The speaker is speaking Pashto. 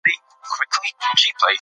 امیر دوست محمد خان په کابل کي اوسېږي.